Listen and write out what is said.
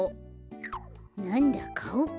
なんだかおか。